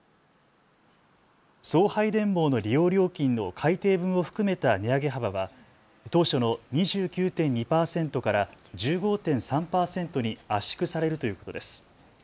送配電網の利用料金の改定分を含めた値上げ幅は当初の２９．２％から１５．３％に圧縮されるということです。